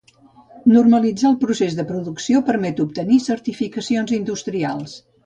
Normalitzar el procés de producció permet obtenir certificacions industrials.